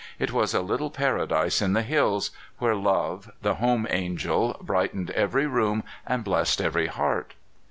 It was a little paradise in the hills, where Love, the home angel, brightened every room and blessed every heart.